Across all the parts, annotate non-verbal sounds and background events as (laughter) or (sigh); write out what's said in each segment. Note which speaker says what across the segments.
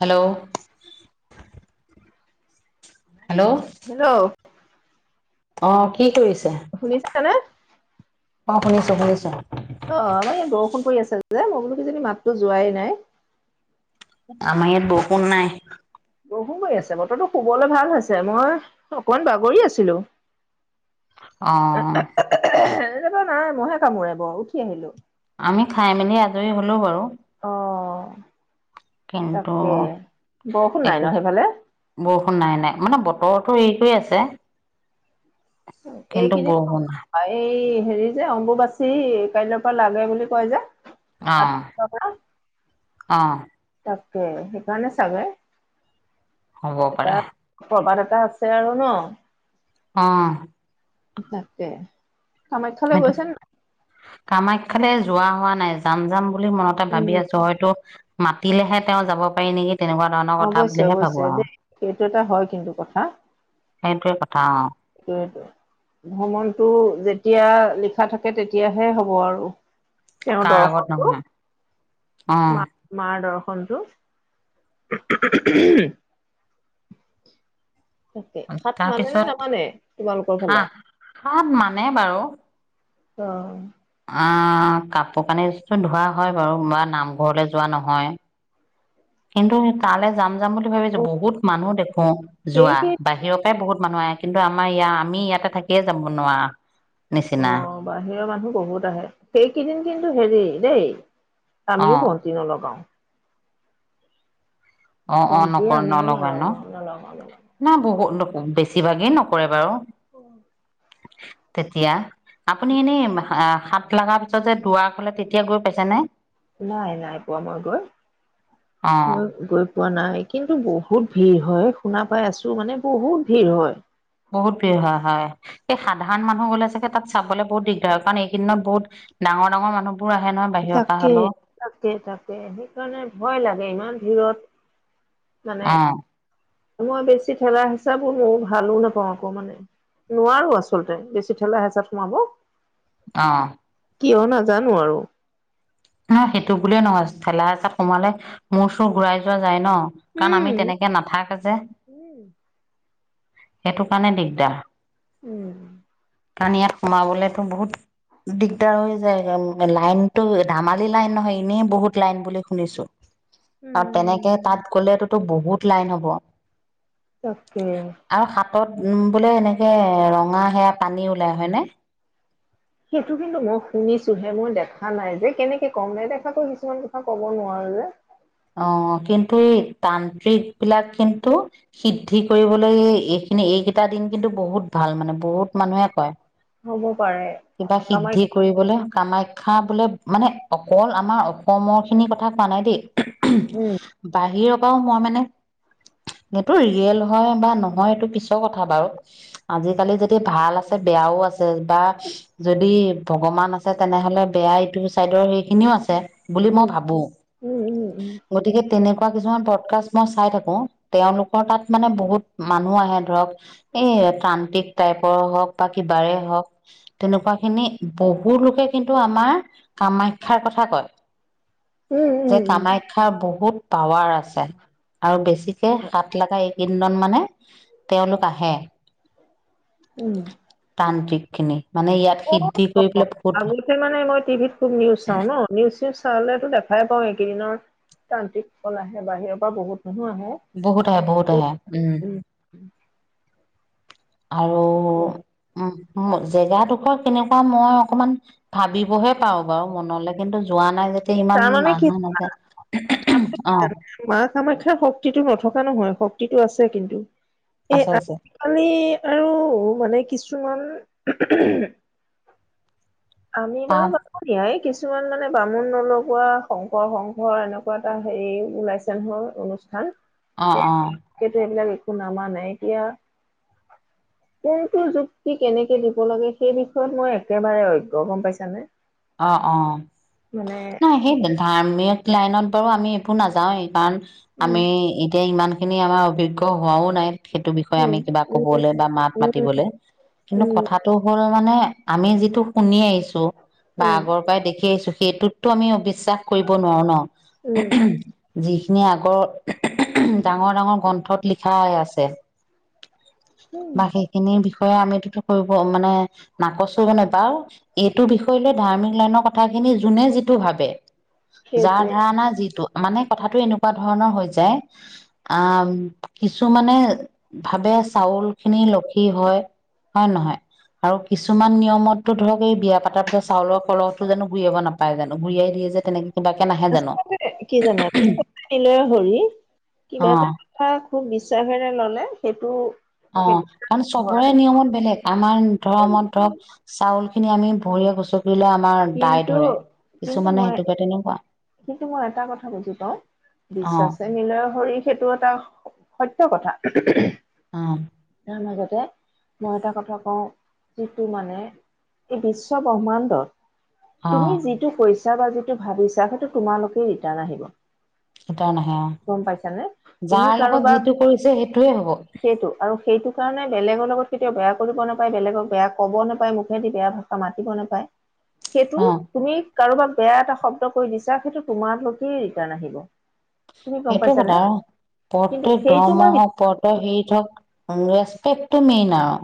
Speaker 1: Hello. Hello
Speaker 2: hello.
Speaker 1: অ' কি কৰিছে?
Speaker 2: শুনিছানে।
Speaker 1: অ' শুনিছোঁ, শুনিছোঁ।
Speaker 2: অ' আমাৰ ইয়াত বৰষুণ পই আছে যে মই বোলো কিজানী মাততো যোৱাই নাই।
Speaker 1: আমাৰ ইয়াত বৰষুণ নাই।
Speaker 2: বহু গৈ আছে বতটো শুবলৈ ভাল হৈছে। মই অকমান বাগৰি আছিলোঁ।
Speaker 1: অ
Speaker 2: এনেটো নাই ম'হে কামোৰে বৰ উঠি আহিলোঁ।
Speaker 1: আমি খাই মেলি আজৰি হ'লে বাৰু।
Speaker 2: অ'।
Speaker 1: কিন্তু
Speaker 2: তাকে বৰষুণ নাই
Speaker 1: একো,
Speaker 2: ন সেইফালে?
Speaker 1: বৰষুণ নাই নাই মানে বতৰ টো এইটোৱে আছে। কিন্তু
Speaker 2: এইকেইদিন
Speaker 1: বৰষুণ নাই
Speaker 2: এই হেৰি যে অম্বুবাচী কাইলৈ পা লাগে বুলি কয় যে।
Speaker 1: অ
Speaker 2: (unintelligible)
Speaker 1: অ
Speaker 2: তাকে হেকাৰণে চাগে
Speaker 1: হ'ব পাৰে
Speaker 2: (unintelligible) এটা আছে আৰু ন?
Speaker 1: অ'।
Speaker 2: তাকে, কামাখ্যালৈ গৈছান
Speaker 1: কামাখ্যালৈ যোৱা হোৱা নাই যাম যাম বুলি মনতে ভাবি
Speaker 2: উম
Speaker 1: আছোঁ হয়তো মাতিলেহে তেওঁ যাব পাৰি এনেকে তেনেকুৱা ধৰণৰ কথা
Speaker 2: অৱশ্যে
Speaker 1: বুলিহে
Speaker 2: অৱশ্যে
Speaker 1: ভাবোঁ আও।
Speaker 2: দেই সেইটো এটা হয় কিন্তু
Speaker 1: হেটোৱে কথ
Speaker 2: কৈ আছ। ভ্ৰমণটো যেতিয়া লিখা থাকে তেতিয়াহে হ'ব আৰু।
Speaker 1: অ
Speaker 2: তেওঁৰ
Speaker 1: কাৰ আগত
Speaker 2: দৰ্শকটো,
Speaker 1: নহয় অ
Speaker 2: মা-মাৰ দৰ (unintelligible) তাকে, সাত মানে নে
Speaker 1: তাৰপিছত
Speaker 2: নামানে তোমালোকৰ ফালে।
Speaker 1: হাত হাত মানে বাৰু
Speaker 2: অ'।
Speaker 1: অ' কাপোৰ কানি চোন ধোৱা হয় বাও মা নামঘৰলে যোৱা নহয়। কিন্তু তালে যাম যাম বুলি ভাবিছোঁ। বহুত মানুহ দেখো যোৱা,
Speaker 2: সেইখিন
Speaker 1: বাহিৰৰ পাই বহুত মানুহে কিন্তু আমাৰ ইয়াৰ আমি ইয়াতে থাকিয়ে যাম নোৱাৰো।
Speaker 2: অ' বাহিৰ মানুহ বহুত আহে। সেইকেইদিন কিন্তু হেৰি দেই।
Speaker 1: অ
Speaker 2: আমিও বন্তি নলগাও।
Speaker 1: অ' অ'
Speaker 2: বন্তি
Speaker 1: নক,
Speaker 2: আমিও
Speaker 1: নলাগাই ন।
Speaker 2: নলগাও নলগাও নলগাও
Speaker 1: না বগ ল বেছিভাগেই নকৰে বাৰু।
Speaker 2: অ'।
Speaker 1: তেতিয়া, আপুনি এনেই হা সাত লাগা পিছত যে দুৱা খুলে তেতিয়া গৈ পাইছা নে?
Speaker 2: নাই, নাই পোৱা মই গৈ
Speaker 1: অ
Speaker 2: মই গৈ! পোৱা নাই কিন্তু বহুত ভিৰ হয়, শুনা পাই আছো মানে বহুত ভিৰ হয়।
Speaker 1: বহুত ভিৰ হয়, হয়। এই সাধাৰণ মানুহ গ'লে চাগে তাত চাবলৈ বহুত দিগদাৰ হয় কাৰণ এইকেইদিনত বহুত ডাঙৰ ডাঙৰ মানুহ।
Speaker 2: তাকে, তাকে, তাকে সেইকাৰণে ভয় লাগে ইমান ভিৰত। মানে
Speaker 1: অ',
Speaker 2: মই বেছি ঠেলা হিচাবোৰ মই ভালো নাপাওঁ আকৌ মানে। নোৱাৰোঁ আচলতে বেছি ঠেলা হেঁচাত সোমাব।
Speaker 1: অ!
Speaker 2: কিয় নাজানো আৰু।
Speaker 1: নাই সেইটো বুলিয়ে নহয় ঠেলা হেঁচাত সোমালে মূৰ চুৰ ঘূৰাই যোৱা যায় ন'। কাৰণ আমি
Speaker 2: উম
Speaker 1: তেনেকে নাথাকে যে।
Speaker 2: উম
Speaker 1: সেইটো কাৰণে দিগদাৰ।
Speaker 2: উম!
Speaker 1: কাৰণ ইয়াত সোমাবলৈটো বহুত দিগদাৰ হৈ যায়, লাইনটো ধামালি লাইন নহয় এনেই বহুত লাইন বুলি শুনিছো আৰু তেনেকে
Speaker 2: উম
Speaker 1: তাত গ'লেতো বহুত লাইন হ'ব।
Speaker 2: তাকে।
Speaker 1: ত নো বোলে এনেকে ৰঙা সেয়া পানী ওলাই হয় নে?
Speaker 2: সেইটো কিন্তু মই শুনিছোহে মই দেখা নাই যে কেনেকৈ কম নেদেখাকৈ কিছুমান কথা ক'ব নোৱাৰ যে।
Speaker 1: অ কিন্তু এই তান্ত্ৰিক বিলাক কিন্তু সিদ্ধি কৰিবলৈ ই খিনি এইকেইটা দিন কিন্তু বহুত ভাল মানে বহুত মানুহে কয়।
Speaker 2: হ'ব পাৰে
Speaker 1: কিবা সিদ্ধি
Speaker 2: কামাখ্যা
Speaker 1: কৰিবলৈ কামাখ্য খা বোলে মানে অকল আমাৰ অসমৰ খিনিৰ কথা কোৱা নাই দেই।
Speaker 2: উম
Speaker 1: বাহিৰৰ পাওঁ মই মানে এইটো ৰিয়েল হয় বা নহয় এইটো পিছৰ কথা বাৰু আজিকালি যদি ভাল আছে বেয়াও আছে বা যদি ভগৱান আছে তেনেহলে বেয়া ইটো চাইডৰ সেইখিনিও আছে। বুলি মই
Speaker 2: উম
Speaker 1: ভাবো,
Speaker 2: উম উম উম
Speaker 1: গতিকে তেনেকুৱা কিছুমান পডকাষ্ট মই চাই থাকো তেওঁলোকৰ তাত মানে বহুত মানুহ আহে ধৰক, এই তান্ত্ৰিক টাইপৰ হওঁক বা কিবাৰে হওঁক তেনেকুৱা খিনি বহু লোকে কিন্তু আমাৰ কামাখ্যাৰ কথা কয়।
Speaker 2: উম
Speaker 1: যে
Speaker 2: উম উম
Speaker 1: কামাখ্যা বহুত পাৱাৰ আছে আৰু বেছি কে সাত লগা এইকেইদিনত মানে তেওঁলোক আহে।
Speaker 2: উম।
Speaker 1: তান্ত্ৰিক খিনি মানে ইয়াত
Speaker 2: অ
Speaker 1: সিদ্ধি কৰি পেলাই বহুত
Speaker 2: আগতে মানে মই টিভিত খুব নিউজ চাওঁ ন নিউজ চিউজ চালে টো দেখাই পাওঁ। এইকেইদিনত তান্ত্ৰিক সকল আহে বাহিৰৰ পৰা বহুত। মানুহ আহে
Speaker 1: বহুত আহে বহুত আহে
Speaker 2: উম
Speaker 1: আৰু উম জেগাডোখৰ কেনেকুৱা মই অকমান ভাবিবহে পাৰোঁ বাৰু মনলে কিন্তু যোৱা নাই যে ইমান
Speaker 2: তাৰমানে কি
Speaker 1: আহা নাযায় অ।
Speaker 2: জানে মা কামাখ্যাৰ শক্তিটো নথকা নহয় শক্তিটো আছে কিন্তু। এ
Speaker 1: আছে আছে
Speaker 2: আজিকালি আৰু মানে কিছুমান আমি বাৰু
Speaker 1: পাপ
Speaker 2: বাপু দিয়াই এই কিছু কিছুমান মানে বামুণ নলোৱা শংকৰ সংঘ এনেকুৱা এটা হেৰি ওলাইছে নহয় অনুষ্ঠান।
Speaker 1: অ অ
Speaker 2: সেইটো সিহঁতে এইবিলাক একো নমানে এতিয়া কোনটো যুক্তি কেনেকে দিব লাগে সেই বিষয়ত মই একেবাৰে অজ্ঞ গম পাইছানে।
Speaker 1: অ অ
Speaker 2: মানে
Speaker 1: নাই সেইবল ধাৰ্মিক লাইনত বাৰু আমি এভো নাযাওঁৱেই কাৰণ
Speaker 2: উম
Speaker 1: আমি এতিয়া ইমান সেইখিনি আমাৰ অভিজ্ঞ হোৱাও নাই। সেইটো বিষয়ে
Speaker 2: উম
Speaker 1: আমি কিবা
Speaker 2: উম
Speaker 1: ক'বলৈ বা মাত
Speaker 2: উম
Speaker 1: মাতিবলে কিন্তু
Speaker 2: উম
Speaker 1: কথাটো হ'ল মানে আমি যিটো শুনি আহিছো। বা
Speaker 2: উম
Speaker 1: আগৰ পৰাই দেখি আহিছো সেইটোতো আমি অবিশ্বাস কৰিব নোৱাৰো ন
Speaker 2: উম
Speaker 1: যি যিখিনি আগৰ ডাঙৰ - ডাঙৰ গ্ৰন্থত লিখা হৈ আছে।
Speaker 2: উম
Speaker 1: বাকেইখিনি বিষয় আমটো কৰিব মানে নাকচ কৰিব নে বাৰু এইটো বিষয়ে কৰিলে ধাৰ্মিক লাইনৰ কথাখিনি যোনে যিটো ভাবে যাৰ
Speaker 2: সেইটোৱে
Speaker 1: ধাৰণা যিটো মানে কথাটো এনেকুৱা ধৰণৰ হৈ যায় আ কিছু মানে ভাবে। চাউল খিনি লক্ষী হয়। হয় নহয় আৰু কিছুমান নিয়মতো ধৰক এই বিয়া পাতাৰ পিছত চাউলৰ কলহটো যাতে ঘূৰিয়াব নাপায় জানো ঘুৰিয়াই দিয়ে যে তেনেকে কিবাকে নাহে জানো
Speaker 2: আচলতে কি জানা হৰি কিবা
Speaker 1: অ
Speaker 2: এটা কথা খুব (unintelligible) ল'লে সেইটো
Speaker 1: অ, কাৰণ
Speaker 2: সেইটো হয়
Speaker 1: চবৰে নিয়মত বেলেগ আমাৰ ধৰৰ্মত ধৰক চাউল সিনি আমি বৰীয়া গছত
Speaker 2: কিন্তু, কিন্তু মই
Speaker 1: সেইটোকে তেনেকুৱা
Speaker 2: কিন্তু মই এটা কথা বুজি পাওঁ।
Speaker 1: অ
Speaker 2: বিশ্বাস মিলয় শৰীৰ সেইটো এটা সত্য কথা।
Speaker 1: অ',
Speaker 2: ত মাজতে মই এটা কথা কও যিটো মানে এই বিশ্ব ব্ৰহ্মাণ্ডত
Speaker 1: অ
Speaker 2: তুমি যিটো কৈছা বা যিটো ভাবিছা সেইটো তোমালোকে ৰিটাৰ্ণ আহিব।
Speaker 1: এটাও নাহে অ
Speaker 2: গম পাইছা নে।
Speaker 1: যাৰ
Speaker 2: তুমি
Speaker 1: লগত
Speaker 2: কাৰোবাক
Speaker 1: যিটো কৰিছে সেইটোয়ে হ'ব
Speaker 2: সেইটো আৰু সেইটো সেই কাৰণে বেলেগৰ লগত কেতিয়াও বেয়া কৰিব নাপায় বেলেগক বেয়া ক'ব নাপায় মুখেদি বেয়া ভাষা মাতিব নাপায়। সেইটো
Speaker 1: অ
Speaker 2: তুমি কাৰোবাক বেয়া এটা শব্দ কৰি দিছা সেইটো তোমালকে ৰিটাৰ্ণ আহিব। তুমি গম
Speaker 1: সেইটো
Speaker 2: পাইছানে
Speaker 1: কথা আৰু
Speaker 2: কিন্তু
Speaker 1: প্ৰত্যেক
Speaker 2: সেইটো
Speaker 1: ধৰ্ম
Speaker 2: মই
Speaker 1: হওক প্ৰত্যেক হৃদ হওক। ৰেস্পেক্টো মেইন আৰু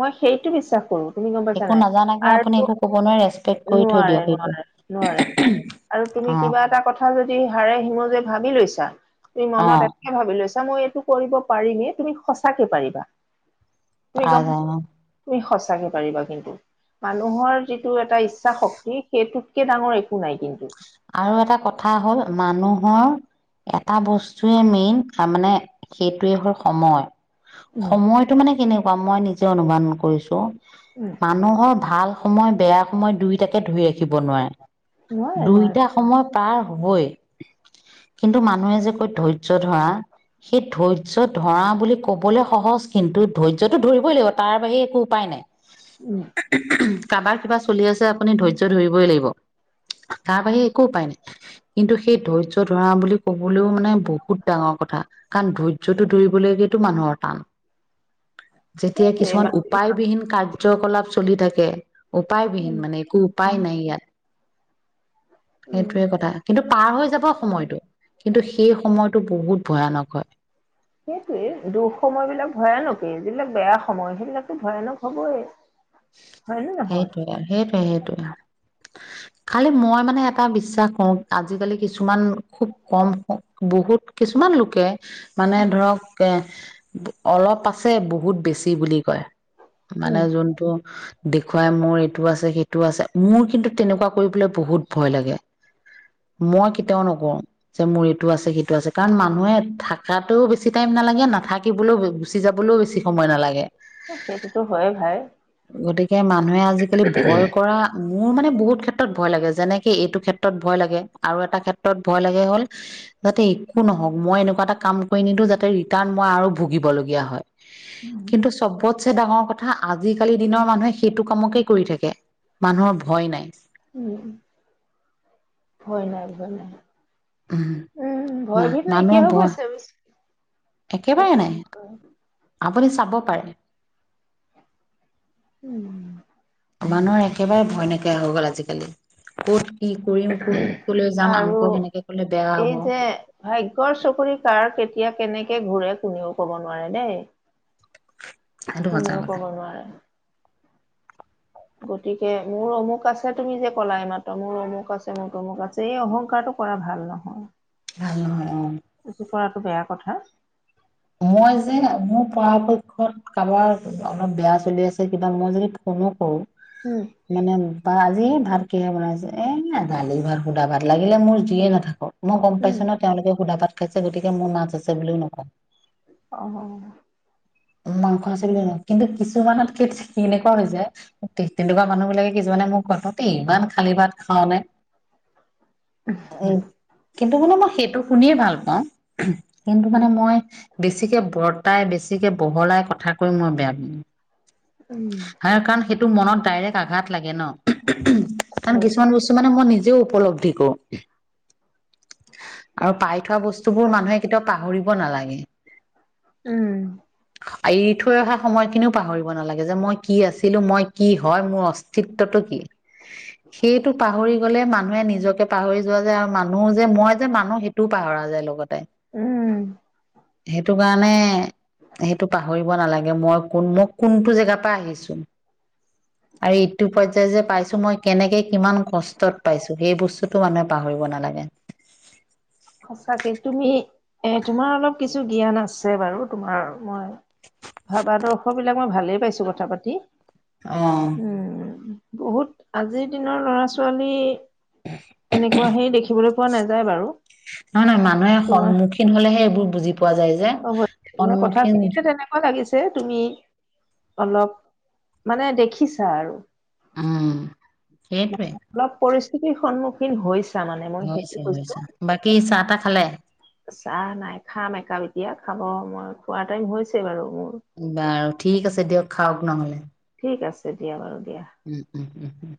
Speaker 2: মই সেইটো বিশ্বাস কৰো। তুমি গম পাইছা
Speaker 1: একো
Speaker 2: নাই
Speaker 1: নাজানাকে আপুনি
Speaker 2: আৰু
Speaker 1: একো ক'ব নোৱাৰে ৰেচপেক্ট কৰি থৈ
Speaker 2: নোৱাৰে
Speaker 1: দিয়ক
Speaker 2: -
Speaker 1: সেইটো
Speaker 2: নোৱাৰে - নোৱাৰে। আৰু তুমি
Speaker 1: অ
Speaker 2: কিবা এটা কথা যদি হাৰে সিমজে ভাবি লৈছা তুমি
Speaker 1: অ
Speaker 2: মনত ভাবি লৈছা। আচ্ছা মই এইটো কৰিব পাৰিমে তুমি সচাকে পাৰিবা। তুমি
Speaker 1: পৰা
Speaker 2: একদম
Speaker 1: যায় অ
Speaker 2: তুমি সঁচাকে পাৰিবা কিন্তু। মানুহৰ যিটো এটা ইচ্ছা শক্তি সেইটোতকে ডাঙৰ একো নাই কিন্তু।
Speaker 1: আৰু এটা কথা হ'ল মানুহৰ এটা বস্তুয়ে মেইন তাৰ মানে সেইটোৱে হ'ল সময় -
Speaker 2: উম
Speaker 1: সময়টো মানে কেনেকুৱা মই নিজে অনুমান কৰিছো।
Speaker 2: উম
Speaker 1: মানুহৰ ভাল সময় বেয়া সময় দুয়োটাকে ধৰি ৰাখিব নোৱাৰে।
Speaker 2: নোৱাৰে - নোৱাৰে।
Speaker 1: দুইটা সময় পাৰ হবই কিন্তু মানুহে যে কৈ ধৈৰ্য ধৰা। সেই ধৈৰ্য ধৰা বুলি কবলৈ সহজ কিন্তু ধৈৰ্যটো ধৰিবই লাগিব তাৰ বাহিৰে একো উপায় নাই।
Speaker 2: উম,
Speaker 1: কাবাৰ কিবা চলি আছে আপুনি ধৈৰ্য্য ধৰিবই লাগিব তাৰ বাহিৰে একো উপায় নাই। কিন্তু সেই ধৈৰ্য্য ধৰা বুলি কবলৈও মানে বহুত ডাঙৰ কথা কাৰণ ধৈৰ্যটো ধৰিবলৈ। সেইটো মানুহৰ টান।
Speaker 2: (inaudible)
Speaker 1: যেতিয়া
Speaker 2: সেইটোৱে
Speaker 1: কিছুমান
Speaker 2: মানুহ
Speaker 1: উপায়বিহীন কাৰ্যকলাপ চলি থাকে।
Speaker 2: উম
Speaker 1: উপায়বিহীন মানে একো
Speaker 2: উম
Speaker 1: উপায় নাই ইয়াত।
Speaker 2: উম
Speaker 1: সেইটোয়ে কথা কিন্তু। পাৰ হৈ যাব সময়টো কিন্তু সেই সময়টো বহুত ভয়ানক হয়।
Speaker 2: সেইটোয়ে দুঃসময় বিলাক ভয়ানক এই যিবিলাক বেয়া সময় সেইবিলাকে ভয়ানক হ'বই। হয়নে নহয়
Speaker 1: সেইটোয়ে, সেইটোৱে সেইটোৱে খালি মই মানে এটা বিশ্বাস কৰো আজিকালি কিছুমান খুব কাম বহুত, কিছুমান লোকে মানে ধৰক এ অলপ, আছে বহুত বেছি বুলি কয় মানে
Speaker 2: উম
Speaker 1: যোনটো, দেখুৱাই মোৰ এইটো আছে, সেইটো আছে মোৰ কিন্তু তেনেকুৱা কৰিবলৈ বহুত ভয় লাগে। মই কেতিয়াও নকৰো যে মোৰ এইটো আছে সিটো আছে কাৰণ মানুহে থকাটোও বেছি টাইম। নালাগে নাথাকিবলৈও গুচি যাবলৈও বেছি সময় নালাগে।
Speaker 2: সেইটোতো হয় ভাই।
Speaker 1: গতিকে মানুহে আজিকালি ভয় কৰা, মোৰ মানে বহুত ক্ষেত্ৰত ভয় লাগে। যেনেকে এইটো ক্ষেত্ৰত ভয় লাগে আৰু এটা ক্ষেত্ৰত ভয় লাগে হ'ল যাতে একো নহওঁক। মই এনেকুৱা এটা কাম কৰি নিদো যাতে ৰিটাৰ্ণ মই আৰু ভুগিব লগীয়া হয়। কিন্তু, চবতছে ডাঙৰ কথা আজি আজিকালি দিনৰ মানুহে সেইটো কামকেই কৰি থাকে মানুহৰ ভয় নাই
Speaker 2: উম, ভয় নাই, ভয় নাই।
Speaker 1: উম
Speaker 2: উম, ভয়
Speaker 1: মা
Speaker 2: ভিত নাইকিয়া
Speaker 1: মানুহৰ ভয়
Speaker 2: গৈছে অবিচ
Speaker 1: একেবাৰে
Speaker 2: সেইটো
Speaker 1: নাই
Speaker 2: হয়।
Speaker 1: আপুনি চাব পাৰে।
Speaker 2: উম।
Speaker 1: মানুহৰ একেবাৰে ভয় নাইকিয়া হৈ গ'ল আজিকালি ক'ত কি কৰিম ক'ত কলৈ যাম
Speaker 2: আৰু
Speaker 1: আমুকক এনেকে কলে বেয়া হব
Speaker 2: এই যে ভাগ্যৰ চকৰি কাৰ কেতিয়া কেনেকে ঘূৰে কোনেও ক'ব নোৱাৰে দেই।
Speaker 1: সেইটো সঁচা
Speaker 2: কোনেও
Speaker 1: কথা
Speaker 2: কব নোৱাৰে। গতিকে, মোৰ অমুক আছে, তুমি যে ক'লা এইমাত্ৰ মোৰ অমুক আছে, মোৰ তমুক আছে, এই অহংকাৰটো কৰা ভাল নহয়।
Speaker 1: ভাল হয় অ'।
Speaker 2: এইটো কৰাটো বেয়া কথা।
Speaker 1: মই যে অমুক পৰাপক্ষত কাৰোবাৰ অলপ বেয়া চলি আছে কিবা মই যদি ফোনো কৰো
Speaker 2: উম,
Speaker 1: মানে বাজি ভাত কিহে বনাইছছে এই দালি ভাত সুদা ভাত লাগিলে মোৰ যিয়ে নাথাকক। মই গ'ম
Speaker 2: উম,
Speaker 1: পাইছোঁ নহয়। তেওঁলোকে সুধা ভাত খাইছে, গতিকে মোৰ মাছ আছে বুলিও নকওঁ।
Speaker 2: অহ'
Speaker 1: মাংস আছে বুলি নকওঁ। কিন্তু, কিছুমানত কেনেকুৱা হৈ যায়। তেনেকুৱা মানুহ বিলাকে কিছুমানে মোৰ তহঁতে ইমান খালী খালি ভাত খাওঁনে?
Speaker 2: উম, হ'ম।
Speaker 1: কিন্তু, মানে মই সেইটো শুনিয়ে ভাল পাওঁ। কিন্তু মানে মই বেছিকে বৰ্তাই বেছি বহলাই কথা কৈ মই বেয়া ব
Speaker 2: উম,
Speaker 1: কাৰণ তো মানে মনত ডাইৰেক্ট আঘাত লাগে ন
Speaker 2: হয়।
Speaker 1: কিছুমান বস্তু মানে মই যে উপলব্ধি কৰো। আৰু পাই থোৱা বস্তুবোৰ মানুহে কেতিয়াও পাহৰিব নালাগে।
Speaker 2: উম।
Speaker 1: এৰি থৈ অহা সময়খিনিও পাহৰিব নালাগে যে মই কি আছিলো মই কি হয় মোৰ অস্তিত্বটো কি। সেইটো পাহৰি গ'লে মানুহ মানুহে নিজকে পাহৰি যোৱা যায় আৰু মানুহ যে মই যে মানুহ সেইটোও পাহৰা যায় লগতে।
Speaker 2: উম।
Speaker 1: সেইটো কাৰণে সেইটো পাহৰিব নালাগে মই কোন মই কোনটো জেগাৰ পৰা আহিছো।
Speaker 2: (inaudible)
Speaker 1: আৰু ইটো পৰ্যায় যে পাইছো মই কেনেকে কিমান কষ্টত পাইছো সেই বস্তুতো মানুহে পাহৰিব নালাগে।
Speaker 2: সঁচাকে তুমি এ তোমাৰ অলপ কিছু জ্ঞান আছে বাৰু তোমাৰ মই ভাবাদৰ্শ বিলাক মই ভালেই পাইছো কথা পাতি।
Speaker 1: অ'।
Speaker 2: উম বহুত আজিৰ দিনৰ লৰা ছোৱালী এনেকুৱা সেই দেখিবলৈ পোৱা নাযায় বাৰু।
Speaker 1: নহয় নহয় মানুহে
Speaker 2: তোমাৰ
Speaker 1: সন্মুখীন হ'লেহে এইবোৰ বুজি পোৱা যায় যে। সন্মুখীন
Speaker 2: হে তুমি অলপ মানে দেখিছা আৰু।
Speaker 1: উম।
Speaker 2: মই
Speaker 1: সেইটোৱে
Speaker 2: অলপ পৰিস্থিতিৰ সন্মুখীন হৈছে তাৰ মানে মই
Speaker 1: হৈছে
Speaker 2: সেইটো কৈছো,
Speaker 1: হৈছে বাকী চাহ তাহ খালে?
Speaker 2: চাহ নাই খাম একাল এতিয়া খাব, মই খোৱা টাইম হৈছে বাৰু। মোৰ।
Speaker 1: বাৰু ঠিক আছে দিয়ক খাওঁক নহ'লে।
Speaker 2: ঠিক আছে দিয়া বাৰু। দিয়া।
Speaker 1: উম উম উম উম।